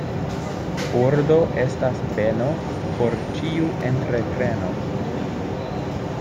Ordo estas beno por ĉiu entrepreno.